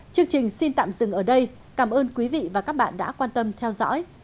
chương trình xin tạm dừng ở đây cảm ơn quý vị và các bạn đã quan tâm theo dõi